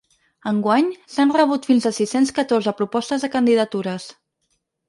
Enguany, s’han rebut fins a sis-cents catorze propostes de candidatures.